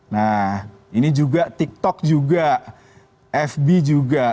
nah ini juga tiktok juga fb juga